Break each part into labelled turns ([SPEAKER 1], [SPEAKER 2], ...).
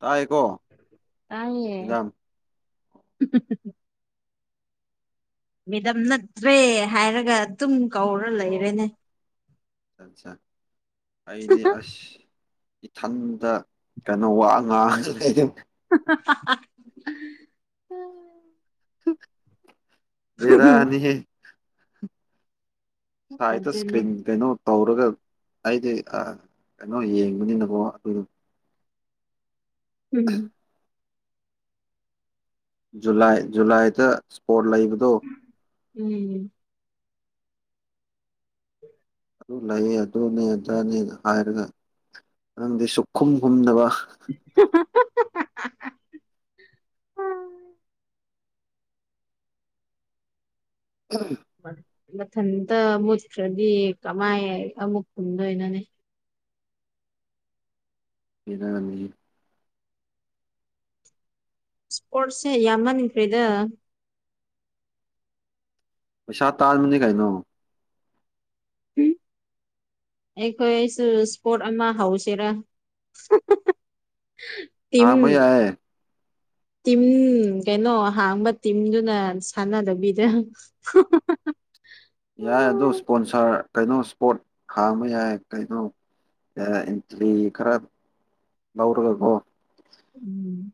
[SPEAKER 1] ꯇꯥꯏꯀꯣ
[SPEAKER 2] ꯇꯥꯏꯌꯦ
[SPEAKER 1] ꯏꯖꯝ
[SPEAKER 2] [inaudible] ꯃꯦꯗꯝ ꯅꯠꯇ꯭ꯔꯦ ꯍꯥꯏꯔꯒ ꯑꯗꯨꯝ ꯀꯧꯔ
[SPEAKER 1] ꯑꯣ
[SPEAKER 2] ꯂꯩꯔꯦꯅꯦ
[SPEAKER 1] ꯑꯠꯆꯥ ꯑꯠꯆꯥ ꯑꯩꯗꯤ ꯑꯁ ꯏꯊꯟꯗ ꯀꯩꯅꯣ ꯋꯥ ꯑ ꯉꯥꯡ
[SPEAKER 2] ꯎꯝ
[SPEAKER 1] ꯕꯤꯔꯅꯤ ꯥꯏ ꯇꯣ
[SPEAKER 2] ꯑꯗꯨꯅꯦ
[SPEAKER 1] ꯁꯀ꯭ꯔꯤꯟꯒꯩꯅꯣ ꯇꯧꯔꯒ ꯑꯩꯗꯤ ꯀꯩꯅꯣ ꯌꯦꯡꯕꯅꯤꯅꯀꯣ ꯑꯗꯨꯗ
[SPEAKER 2] ꯎꯝ
[SPEAKER 1] ꯖꯨꯂꯥꯏ ꯖꯨꯂꯥꯏꯗ ꯏꯁꯄꯣꯔꯠ ꯂꯩꯕꯗꯣ
[SPEAKER 2] ꯎꯝ [inaudible]
[SPEAKER 1] ꯑꯗꯨ ꯂꯩꯌꯦ ꯑꯗꯨꯅꯤ ꯑꯗꯨꯅꯦ ꯍꯥꯏꯔꯒ ꯅꯪꯗꯤ ꯁꯨꯛꯈꯨꯝ ꯈꯨꯝꯅꯕ
[SPEAKER 2] ꯎꯝ
[SPEAKER 1] ꯎ
[SPEAKER 2] ꯃꯊꯟꯇ ꯃꯨꯠꯈ꯭ꯔꯗꯤ ꯀꯃꯥꯏ ꯑꯃꯨꯛ ꯈꯨꯝꯗꯣꯏꯅꯣꯅꯦ
[SPEAKER 1] ꯀꯗ ꯀꯅꯤ
[SPEAKER 2] ꯏꯁ꯭ꯄꯣꯔꯠꯁꯁꯦ ꯌꯥꯝꯃꯟꯈ꯭ꯦꯗ
[SPEAKER 1] ꯄꯩꯁꯥ ꯇꯥꯖ ꯃꯅꯤ ꯀꯥꯏꯅ [inaudible]
[SPEAKER 2] ꯑꯩꯈꯣꯏꯁꯨ ꯏꯁꯄꯣꯠ ꯑꯃ ꯍꯧꯁꯤꯔꯥ ꯇꯤꯝ
[SPEAKER 1] ꯍꯥꯥ ꯃꯩ ꯍꯥꯏ
[SPEAKER 2] ꯇꯤꯝ ꯀꯩꯅꯣ ꯍꯥꯡꯕ ꯇꯤꯝꯗꯨꯅ ꯁꯥꯟꯅꯗꯕꯤꯗ [inaudible]
[SPEAKER 1] ꯌꯥꯏ ꯑꯗꯣ ꯏꯁꯄꯣꯟꯁꯥꯔ ꯀꯩꯅꯣ ꯏꯁꯄꯣꯠ ꯈꯥꯡꯕ ꯌꯥꯏ ꯀꯩꯅꯣ ꯏꯟꯇ꯭ꯔꯤ ꯈꯔ ꯂꯧꯔꯒꯕꯣ
[SPEAKER 2] ꯎꯝ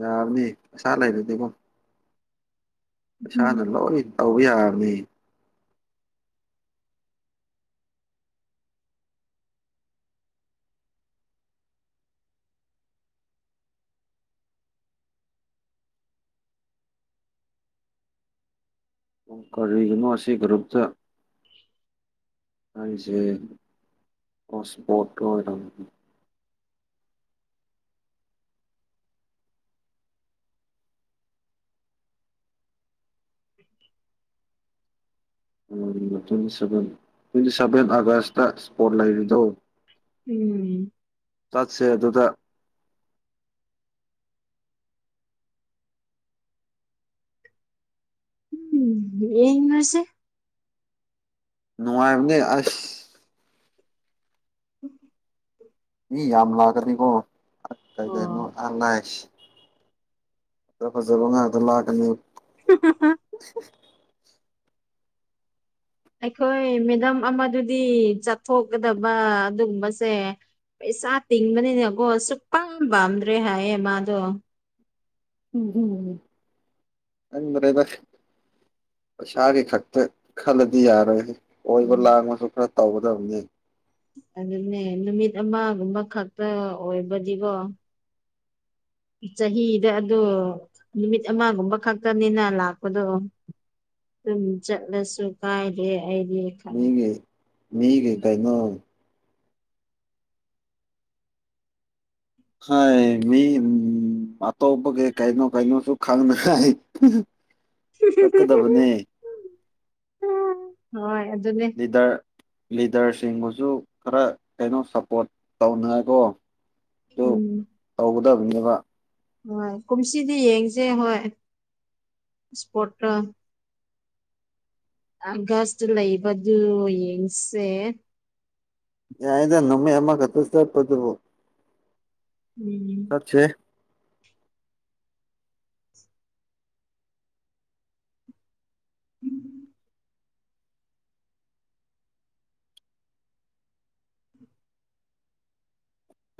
[SPEAKER 1] ꯌꯥꯅꯤ ꯑꯁꯥ ꯂꯩꯔꯗꯤꯀꯣ ꯏꯁꯩꯁꯥꯅ
[SPEAKER 2] ꯎꯝ
[SPEAKER 1] ꯂꯣꯏꯅ ꯇꯧꯕ ꯌꯥꯔꯅꯤ ꯀꯔꯤꯒꯤꯅꯣ ꯑꯁꯤ ꯒ꯭ꯔꯨꯞꯇ
[SPEAKER 2] [inaudible]
[SPEAKER 1] ꯑꯟꯖꯦ ꯀꯣꯁꯕꯣꯔꯇ ꯑꯣꯏꯔꯝ
[SPEAKER 2] ꯎ
[SPEAKER 1] ꯇ꯭ꯋꯦꯟꯚꯦꯟ ꯇ꯭ꯋꯦꯟꯇꯤ ꯁꯚꯦꯟ ꯑꯥꯒꯁꯇ ꯏꯁꯄꯣꯔꯠ ꯂꯩꯔꯤꯗꯣ
[SPEAKER 2] ꯎꯝ
[SPEAKER 1] ꯆꯠꯁꯦ ꯑꯗꯨꯗ
[SPEAKER 2] ꯎꯝ ꯌꯅꯤꯚꯔꯁꯤ
[SPEAKER 1] ꯅꯅꯨꯡꯉꯥꯏꯅꯦ ꯑꯁ ꯃꯤ ꯌꯥꯝ ꯂꯥꯛꯀꯅꯤꯉꯣ ꯀꯩ ꯀꯩꯅꯣ
[SPEAKER 2] ꯑꯣ
[SPEAKER 1] ꯑ ꯂꯥꯏꯁ ꯐꯖ ꯐꯖꯕ ꯉꯥꯏꯗ ꯂꯥꯛꯀꯅꯤ
[SPEAKER 2] ꯍ ꯍ
[SPEAKER 1] ꯀ
[SPEAKER 2] ꯑꯩꯈꯣꯏ ꯃꯦꯗꯝ ꯑꯃꯗꯨꯗꯤ ꯆꯠꯊꯣꯛꯀꯗꯕ ꯑꯗꯨꯒꯨꯝꯕꯁꯦ ꯄꯩꯁꯥ ꯇꯤꯡꯕꯅꯤꯅꯀꯣ ꯑꯁꯨꯨꯛꯄꯪ ꯄꯥꯝꯗ꯭ꯔꯦ ꯍꯥꯏꯌꯦ ꯃꯥꯗꯣ
[SPEAKER 1] ꯑ ꯃꯔꯔꯦꯗ ꯁꯥꯔ ꯈꯛꯇꯛꯇ ꯈꯜꯗꯤ ꯌꯥꯔꯦ ꯑꯣꯏꯕ
[SPEAKER 2] ꯎꯝ
[SPEAKER 1] ꯂꯥꯡꯕꯁꯨ ꯈꯔ ꯇꯧꯒꯗꯕꯅꯤ
[SPEAKER 2] ꯑꯗꯨꯅꯦ ꯅꯨꯃꯤꯠ ꯑꯃꯒꯨꯝꯕ ꯈꯛꯇ ꯑꯣꯏꯕꯗꯤꯀꯣ ꯆꯍꯤꯗ ꯑ ꯅꯨꯃꯤꯠ ꯑꯃꯒꯨꯝꯕ ꯈꯛꯇꯅꯤꯅ ꯂꯥꯛꯄꯗꯣ ꯑꯗꯨꯝ ꯆꯠꯂꯁꯨ ꯀꯥꯏꯔꯦ ꯑꯩꯗꯤ ꯈꯜꯂꯦ
[SPEAKER 1] ꯃꯤꯒ ꯃꯤꯒ ꯀꯩꯅꯣ ꯍ ꯃꯤ ꯑꯇꯄꯒꯦ ꯀꯥꯏꯅꯣ ꯀꯥꯏꯅꯣ ꯁꯁꯨ ꯈꯥꯡꯅꯥꯏ
[SPEAKER 2] ꯍꯣꯏ ꯑꯗꯨꯅꯦ
[SPEAKER 1] ꯂꯤꯗꯔ ꯂꯤꯗꯔꯁꯤꯡꯕꯨꯁꯨ ꯈꯔ ꯀꯩꯅꯣ ꯁꯞꯄꯣꯔꯠ ꯇꯧꯅꯀꯣ
[SPEAKER 2] ꯎꯝ
[SPEAKER 1] ꯕꯅꯤꯕ
[SPEAKER 2] ꯍꯣꯏ ꯀꯨꯝꯁꯤꯗꯤ ꯌꯦꯡꯁꯦ ꯍꯣꯏ ꯏꯁꯄꯣꯇꯥ ꯑꯒꯁꯇ ꯂꯩꯕꯗꯨ ꯌꯦꯡꯁꯦ
[SPEAKER 1] ꯌꯥꯏꯗ ꯅꯃꯤꯃꯦ ꯑꯃꯛ ꯍꯇꯁ ꯄꯗꯨꯕꯣ
[SPEAKER 2] ꯎꯝ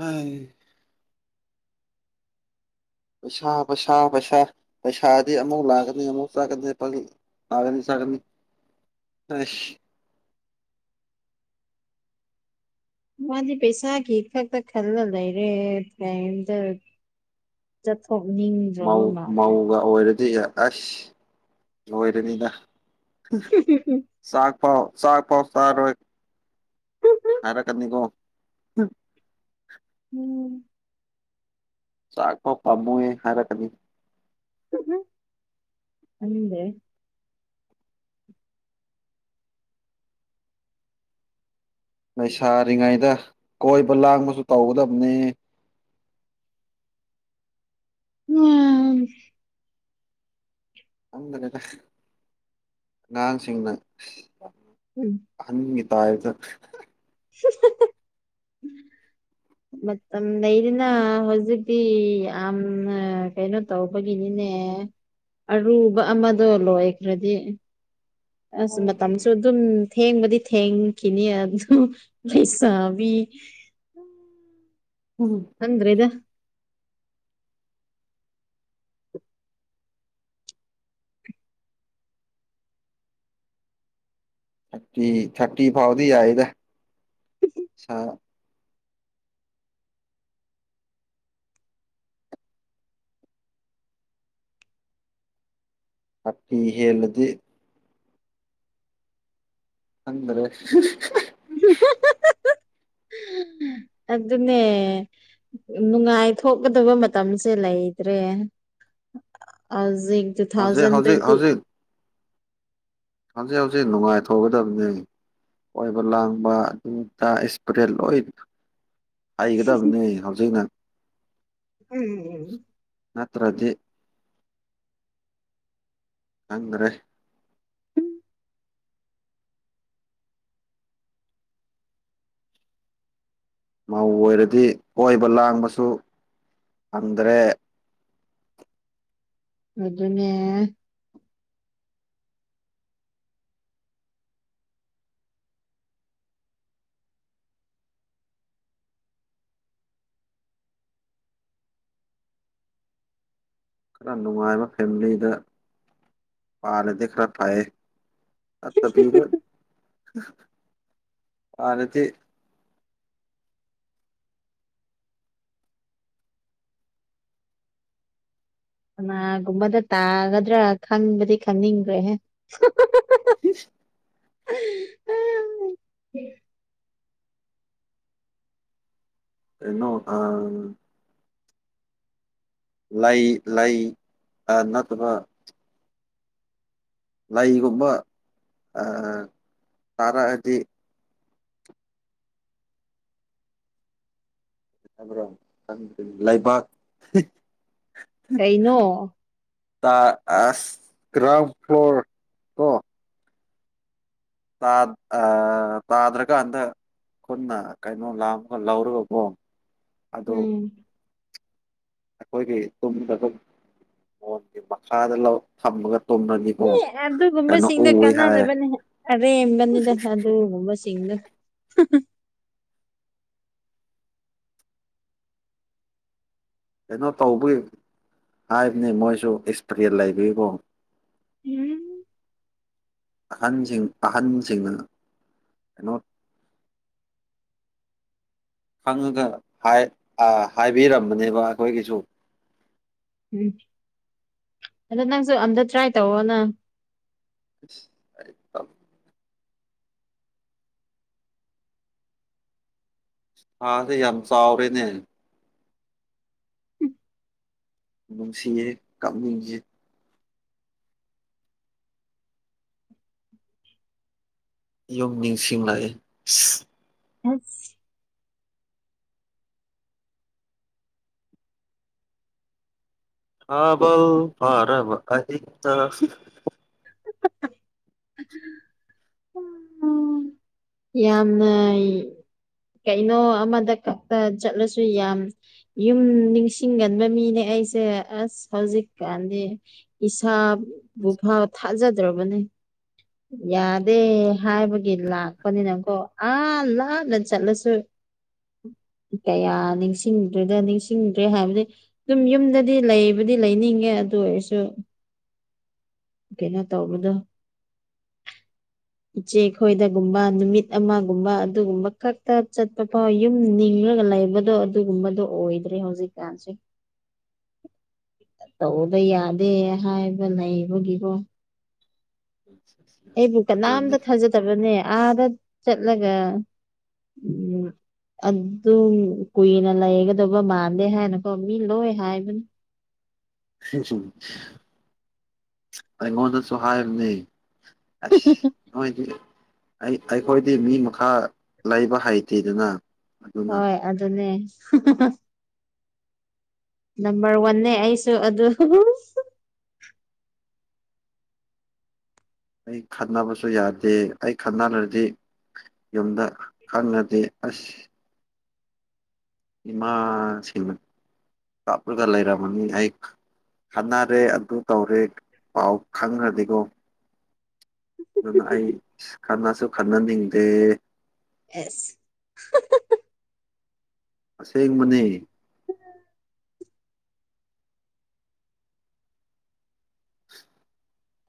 [SPEAKER 1] ꯍꯥꯏ ꯄꯩꯁꯥ ꯄꯩꯁꯥ ꯄꯩꯁꯥ ꯄꯩꯁꯥꯗꯤ ꯑꯃꯨꯛ ꯂꯥꯛꯀꯅꯤ ꯑꯃꯨꯧꯛ ꯆꯥꯒꯅꯤ ꯑꯒꯅꯤꯒꯅꯤ
[SPEAKER 2] ꯃꯥꯗꯤ ꯄꯩꯁꯥꯒꯤ ꯐꯛꯇꯛꯇ ꯈꯜꯂ ꯂꯩꯔꯦ ꯐꯗ ꯆꯠ
[SPEAKER 1] ꯃꯥꯎ ꯃꯥꯎꯒ ꯑꯣꯏ ꯁꯤ ꯑꯁ ꯂꯣꯏꯔꯅꯤꯅ ꯆꯥꯛ ꯄꯥꯎ ꯆꯥꯛ ꯄꯥꯎ ꯆꯥꯔꯣꯏ ꯍꯥꯏꯔ ꯀꯅꯤꯀꯣ
[SPEAKER 2] ꯎ
[SPEAKER 1] ꯆꯈꯣ ꯐꯃꯨꯦ ꯍꯥꯏꯔ ꯀꯅꯤ
[SPEAKER 2] ꯜꯦ
[SPEAKER 1] ꯂꯩꯁꯥꯔꯤꯉꯩꯗ ꯀꯣꯏꯕ ꯂꯥꯡꯕꯁꯨ ꯇꯧꯒꯗꯕꯅꯤ
[SPEAKER 2] ꯎꯝ
[SPEAKER 1] ꯑꯗꯅꯤꯗ ꯑꯉꯥꯡꯁꯤꯡꯅ ꯑ ꯇ ꯍꯥꯏꯗ
[SPEAKER 2] ꯃꯇꯝ ꯂꯩꯗꯅ ꯍꯧꯖꯤꯛꯇꯤ ꯌꯥꯝ ꯀꯩꯅꯣ ꯇꯧꯕꯒꯤꯅꯤꯅꯦ ꯑꯔꯨꯕ ꯑꯃꯗꯣ ꯂꯣꯏꯈ꯭ꯔꯗꯤ ꯑꯁ ꯃ ꯃꯇꯝꯝꯁꯨ ꯑꯗꯨ ꯊꯦꯡꯕꯗꯤ ꯊꯦꯡꯈꯤꯅꯤ ꯑꯗꯨꯝ ꯂꯩꯩꯁꯥꯕꯤ
[SPEAKER 1] ꯊꯥꯔꯇꯤ
[SPEAKER 2] ꯍꯗ꯭ꯔꯦ ꯏꯗ
[SPEAKER 1] ꯊꯇ ꯊꯔꯇꯤ ꯐꯥꯎꯗꯤ ꯌꯥꯏꯗ ꯑꯄꯤꯤ ꯍꯂꯨꯗꯤ ꯍꯗ꯭ꯔꯦ
[SPEAKER 2] [unintelligible]
[SPEAKER 1] [unintelligible]
[SPEAKER 2] ꯑꯗꯨꯅꯦ ꯅꯨꯡꯉꯥꯏꯊꯣꯛꯀꯗꯕ ꯃꯇꯝꯁꯦ ꯂꯩꯇ꯭ꯔꯦ ꯑ ꯇꯨ
[SPEAKER 1] ꯍꯧꯖꯤꯛ
[SPEAKER 2] ꯊꯥꯎꯖꯟ
[SPEAKER 1] ꯍꯧꯖꯤꯛ
[SPEAKER 2] ꯇ꯭ꯋꯦꯟꯇꯤ
[SPEAKER 1] ꯍꯧꯖꯤꯛ ꯍꯧꯖꯤꯛ ꯍꯧꯖꯤꯛ ꯅꯨꯡꯉꯥꯏꯊꯣꯛꯒꯗꯕꯅꯤ ꯑꯣꯏꯕ ꯂꯥꯡꯕ ꯑꯗꯨꯗ ꯏꯁꯄ꯭ꯔꯦ ꯂꯣꯏ ꯍꯩꯒꯗꯕꯅꯤ ꯍꯧꯖꯤꯛꯅ
[SPEAKER 2] ꯎꯝ ꯎꯝ
[SPEAKER 1] ꯅꯠꯇ꯭ꯔꯗꯤ ꯑꯗ꯭ꯔꯦ ꯃꯧ ꯑꯣꯏꯔꯗꯤ ꯀꯣꯏꯕ ꯂꯥꯡꯕꯁꯨ ꯐꯪꯗ꯭ꯔꯦ
[SPEAKER 2] ꯑꯗꯨ ꯑꯗꯨꯅꯦ
[SPEAKER 1] ꯈꯔ ꯅꯨꯡꯉꯥꯏꯕ ꯐꯦꯃꯤꯂꯤꯗ ꯄꯥꯂꯗ ꯈꯔ ꯐꯑ ꯑꯠꯇꯔ ꯑꯔꯗꯤ
[SPEAKER 2] ꯀꯅꯥꯒꯨꯝꯕꯗ ꯇꯥꯒꯗ꯭ꯔꯥ ꯈꯪꯕꯗꯤ ꯈꯪꯅꯤꯡꯗ꯭ꯔꯦꯍ
[SPEAKER 1] ꯎ
[SPEAKER 2] ꯎꯝ
[SPEAKER 1] ꯏꯟꯅꯣ ꯑ ꯂꯩ ꯂꯩ ꯑ ꯅꯠꯇꯕ ꯂꯩꯒꯨꯝꯕ ꯇꯥꯔꯛꯑꯗꯤ ꯭ꯔꯣ ꯂꯥꯏꯕꯥꯛ
[SPEAKER 2] ꯀꯩꯅꯣ
[SPEAKER 1] ꯇ ꯑ ꯒ꯭ꯔꯥꯎꯟ ꯐ꯭ꯂꯣꯔ ꯀꯣ ꯇꯥ ꯑ ꯇꯥꯗ꯭ꯔꯒ ꯑꯗ ꯈꯨꯅ ꯀꯩꯅꯣ ꯂꯥꯝꯃꯒ ꯂꯧꯔꯒꯀꯣ ꯑꯗꯨ
[SPEAKER 2] ꯎꯝ
[SPEAKER 1] ꯑꯩꯈꯣꯏꯒꯤ ꯇꯨꯝꯗ ꯑꯗꯨꯝ ꯃꯣꯟꯒꯤ ꯃꯈꯥꯗ ꯊꯝꯃꯒ ꯇꯨꯝꯂꯅꯤ
[SPEAKER 2] ꯑꯦ ꯑꯗꯨꯒꯨꯝꯕꯁꯤꯡꯗ ꯀꯥꯟꯅꯅꯕꯅꯤ ꯑꯔꯦꯝꯕꯅꯤꯅ ꯑꯗꯨꯒꯨꯝꯕꯁꯤꯡꯗ [unintelligible]
[SPEAKER 1] ꯀꯩꯅꯣ ꯇꯧꯕꯒꯤ ꯍꯥꯏꯕꯅꯤ ꯃꯣꯏꯁꯨ ꯑꯦꯛꯁꯄꯔꯤꯌꯦꯟ ꯂꯩꯕꯀꯣ
[SPEAKER 2] ꯎꯝ
[SPEAKER 1] ꯑꯍꯟꯁꯤꯡ ꯑꯍꯟꯁꯤꯡꯗꯨꯅ ꯀꯩꯅꯣ ꯈꯪꯉꯒ ꯍꯥꯏꯕꯤꯔꯝꯕꯅꯦꯕ ꯑꯩꯈꯣꯏꯒꯤꯁꯨ
[SPEAKER 2] ꯎꯝ ꯑꯗꯣ ꯅꯪꯁꯨ ꯑꯝꯇ ꯇ꯭ꯔꯥꯏ ꯇꯧꯑꯣꯣꯅ
[SPEAKER 1] ꯑꯦꯝ ꯑꯗꯤ ꯌꯥꯝ ꯆꯥꯎꯔꯦꯅꯦ ꯅꯨꯡꯁꯤꯌꯦ ꯀꯞꯅꯤꯡꯌꯦ ꯌꯨꯝ ꯅꯤꯡꯁꯤꯡꯂꯛꯑꯏ
[SPEAKER 2] ꯑꯁ
[SPEAKER 1] ꯀꯕꯜ ꯐꯔꯕ ꯑꯛꯇ
[SPEAKER 2] ꯌꯥꯝꯅ ꯀꯩꯅꯣ ꯑꯃꯗ ꯈꯛꯇ ꯆꯠꯂꯁꯨ ꯌꯥꯝ ꯌꯨꯝ ꯅꯤꯡꯁꯤꯡꯒꯟꯕ ꯃꯤꯅꯦ ꯑꯩꯁꯦ ꯑꯁ ꯍꯧꯖꯤꯛꯀꯥꯟꯗꯤ ꯏꯁꯥꯞ ꯕꯨꯐꯥ ꯊꯥꯖꯗ꯭ꯔꯕꯅꯦ ꯌꯥꯗꯦ ꯍꯥꯏꯕꯒꯤ ꯂꯥꯛ ꯄꯅꯤꯅꯀꯣ ꯑ ꯂ ꯅ ꯆꯠꯂꯁꯨ ꯀꯌꯥ ꯅꯤꯡꯁꯤꯡꯗ꯭ꯦꯗ ꯅꯤꯡꯁꯤꯡꯗ꯭ꯔꯦ ꯍꯥꯏꯕꯗꯤ ꯑꯗꯨꯝ ꯌꯨꯝꯗꯗꯤ ꯂꯩꯕꯗꯤ ꯂꯩꯅꯤꯡꯉꯦ ꯌꯥ ꯑꯗꯨ ꯑꯣꯏꯁꯨ
[SPEAKER 1] [inaudible]
[SPEAKER 2] ꯀꯩꯅꯣ ꯇꯧꯕꯗꯣ ꯏꯆꯦ ꯈꯣꯏꯗꯒꯨꯝꯕ ꯅꯨꯃꯤꯠ ꯑꯃꯒꯨꯝꯕ ꯑꯗꯨꯒꯨꯝꯕ ꯈꯛꯇ ꯆꯠꯄ ꯐꯥꯎ ꯌꯨꯝ ꯅꯤꯡꯉꯒ ꯂꯩꯕꯗꯣ ꯑꯗꯨꯒꯨꯝꯕꯗꯣ ꯍꯣꯏꯗ꯭ꯔꯤ ꯍꯧꯖꯤꯛ ꯀꯥꯟꯁꯤ
[SPEAKER 1] [inaudible]
[SPEAKER 2] ꯇꯧꯕꯗ ꯌꯥꯗꯦ ꯍꯥꯏꯕ ꯂꯩꯕꯒꯤꯀꯣ ꯑꯩꯕꯨ
[SPEAKER 1] ꯑꯗꯨꯅꯤ
[SPEAKER 2] ꯀꯅꯥꯝꯇ ꯊꯥꯖꯗꯕꯅꯦ ꯑꯥꯗ ꯆꯠꯂꯒ ꯎꯝ ꯑꯗꯨ ꯀꯨꯏꯅ ꯂꯩꯒꯗꯕ ꯃꯥꯟꯗꯦ ꯍꯥꯏꯅꯀꯣ ꯃꯤ ꯂꯣꯏ ꯍꯥꯏꯕꯅꯤ
[SPEAKER 1] ꯑꯩꯉꯣꯟꯗꯁꯨ ꯍꯥꯏꯕꯅꯤ ꯑ ꯅꯣꯏ ꯑꯩꯈꯣꯏꯗꯤ ꯃꯤ ꯃꯈꯥ ꯂꯩꯕ ꯍꯩꯇꯦꯗꯅ ꯑꯗꯨꯅ
[SPEAKER 2] ꯍꯣꯏ ꯑꯗꯨꯅꯦ ꯅꯝꯕꯔ ꯋꯥꯟꯅꯦ ꯑꯩꯁꯨ ꯑꯗꯨ
[SPEAKER 1] ꯑꯩ ꯈꯠꯅꯕꯁꯨ ꯌꯥꯗꯦ ꯑꯩ ꯈꯠꯅꯔꯗꯤ ꯌꯨꯝꯗ ꯈꯪꯅꯗꯦ ꯑꯁ ꯏꯃꯥꯁꯤꯅ ꯀꯥꯞꯂꯒ ꯂꯩꯔ ꯑꯃꯅꯤꯅꯤ ꯑꯩ ꯈꯟꯅꯔꯦ ꯑꯗꯨ ꯇꯧꯔꯦ ꯄꯥꯎ ꯈꯪꯈ꯭ꯔꯗꯤꯀꯣ ꯑꯗꯨꯅ ꯑꯩ ꯈꯟꯅꯁꯨ ꯈꯟꯅꯅꯤꯡꯗꯦ
[SPEAKER 2] ꯑꯦꯁ
[SPEAKER 1] ꯑꯁꯦꯡꯕꯅꯤ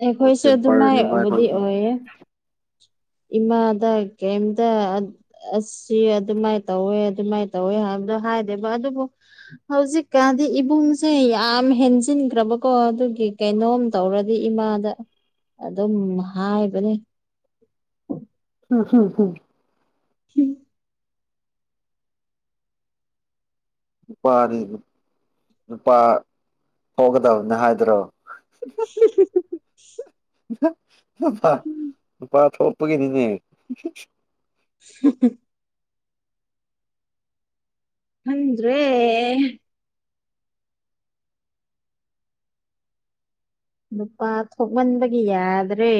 [SPEAKER 2] ꯑꯩꯈꯣꯏꯁꯨ
[SPEAKER 1] ꯀꯠꯇ ꯄꯔꯦꯅꯤꯚꯥꯏ
[SPEAKER 2] ꯑꯗꯨꯃꯥꯏꯕꯨꯗꯤ ꯑꯣꯏꯌꯦ ꯏꯃꯥꯗ ꯀꯩꯝꯇ ꯑꯁꯤ ꯑꯗꯨꯃꯥꯏꯅ ꯇꯧꯋꯦ ꯑꯗꯨꯃꯥꯏꯅ ꯇꯧꯋꯦ ꯍꯥꯏꯕꯗ ꯍꯥꯏꯗꯦꯕ ꯑꯗꯨꯕꯨ ꯍꯧꯖꯤꯛꯀꯥꯟꯗꯤ ꯏꯕꯨꯡꯁꯦ ꯌꯥꯝ ꯍꯦꯟꯖꯤꯟꯈ꯭ꯔꯕꯀꯣ ꯑꯗꯨ ꯀꯩꯅꯣꯝ ꯇꯧꯔ ꯗꯤ ꯏꯃꯥꯗ ꯑꯗꯨꯝ ꯍꯥꯏꯕꯅꯤ
[SPEAKER 1] ꯎꯝ ꯍꯝ ꯍꯝ
[SPEAKER 2] ꯍꯨꯝ
[SPEAKER 1] ꯅꯨꯄꯥꯗꯤ ꯅꯨꯄꯥ ꯐꯒꯗꯕꯅꯦ ꯍꯥꯏꯗ꯭ꯔꯣ
[SPEAKER 2] [inaudible]
[SPEAKER 1] ꯅꯨꯄꯥ ꯅꯨꯄꯥ ꯊꯣꯛꯂꯛꯄꯒꯤꯅꯤꯅꯦ
[SPEAKER 2] [inaudible] ꯑꯗ꯭ꯔꯦ ꯂꯄꯥ ꯊꯃꯟꯕꯒ ꯌꯥꯗ꯭ꯔꯦ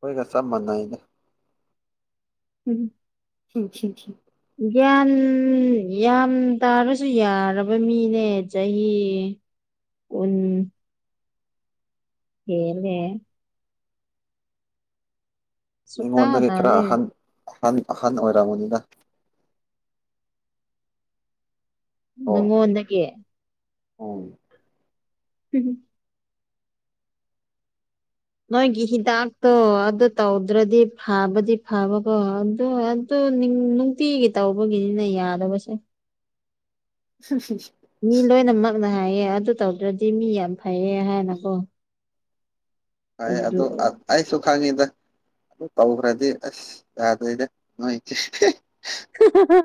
[SPEAKER 1] ꯍꯣꯏꯒ ꯁꯕ ꯃꯏꯒꯦ
[SPEAKER 2] ꯎꯝ
[SPEAKER 1] ꯎꯝ
[SPEAKER 2] ꯒ꯭ꯌꯥꯟ ꯌꯥꯝ ꯇꯥꯔꯁꯨ ꯌꯥꯔꯕ ꯃꯤꯅꯦ ꯆꯍꯤ ꯎꯝ ꯀꯦꯔꯅꯦ ꯁꯨꯛꯇꯥ
[SPEAKER 1] ꯑꯩꯉꯣꯟꯗꯒꯤꯩ ꯈꯔ
[SPEAKER 2] ꯇꯥꯗꯦ
[SPEAKER 1] ꯑꯍꯟ ꯑꯍꯟ ꯑꯍꯟ ꯑꯣꯏꯔꯝꯃꯅꯤꯅ
[SPEAKER 2] ꯅꯪꯉ ꯑꯣꯗꯒꯦ
[SPEAKER 1] ꯎ
[SPEAKER 2] ꯍꯝ ꯅꯣꯏꯒꯤ ꯍꯤꯗꯥꯛꯇꯣ ꯑꯗꯨ ꯇꯧꯗ꯭ꯔꯗꯤ ꯐꯕꯗꯤ ꯐꯕꯀꯣ ꯑꯗꯨ ꯑꯗꯨ ꯑꯗꯨ ꯅꯨꯡꯇꯤꯒꯤ ꯇꯧꯕꯒꯤꯅꯤꯅ ꯌꯥꯗꯕꯁꯦ
[SPEAKER 1] ꯍꯝ ꯍꯝ
[SPEAKER 2] ꯃꯤ ꯂꯣꯏꯅꯃꯛꯅ ꯍꯥꯏꯌꯦ ꯑꯗꯨ ꯇꯧꯗ꯭ꯔꯗꯤ ꯃꯤ ꯌꯥꯝ ꯐꯩꯌꯦ ꯍꯥꯏꯅꯀꯣ
[SPEAKER 1] ꯑ ꯑꯗꯨ ꯑꯩꯁꯨ ꯈꯪꯉꯤꯗ ꯑꯗꯨ ꯇꯧꯈ꯭ꯔꯗꯤ ꯑꯁ ꯌꯥꯗꯣꯏꯗ ꯅꯣꯏ ꯏ ꯆꯦ
[SPEAKER 2] ꯍꯥꯍꯥ